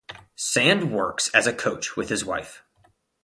Sand works as a coach with his wife.